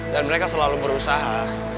dan mereka selalu berusaha